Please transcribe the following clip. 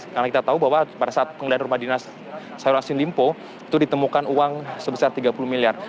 karena kita tahu bahwa pada saat menggeledah rumah dinas salihulansin limpo itu ditemukan uang sebesar tiga puluh miliar